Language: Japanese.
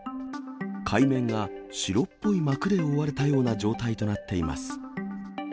海面が白っぽい膜で覆われたような状態となっています。